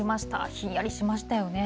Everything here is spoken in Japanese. ひんやりしましたよね。